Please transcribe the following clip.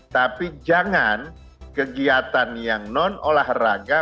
tapi jangan kegiatan yang non olahraga